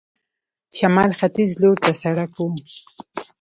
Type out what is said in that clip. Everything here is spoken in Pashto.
شمال ختیځ لور ته سړک و.